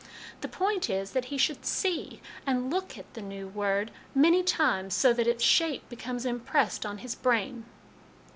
The point is that he should see, and look at y the new word many times, so that its shape becomes impressed on his brain."